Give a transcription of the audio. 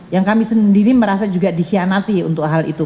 yang kami sendiri merasa juga dikhianati untuk hal itu